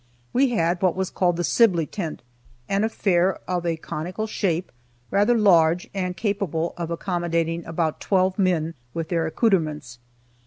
We had what was called the Sibley tent, an affair of a conical shape, rather large, and capable of accommodating about twelve men, with their accoutrements.